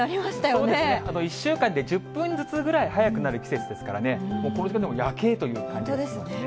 そうですね、１週間で１０分ずつぐらい早くなる季節ですからね、この時間でも夜景という感じですよね。